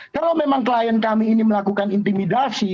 kalau memang klien kami ini melakukan intimidasi